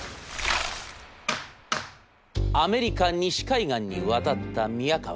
「アメリカ西海岸に渡った宮河。